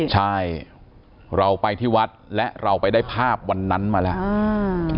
ใช่เราไปที่วัดและเราไปได้ภาพวันนั้นมาแล้ว